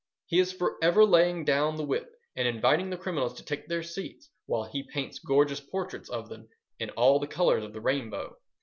He is for ever laying down the whip and inviting the criminals to take their seats while he paints gorgeous portraits of them in all the colours of the rainbow.